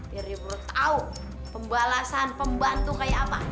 biar ibu tahu pembalasan pembantu kayak apa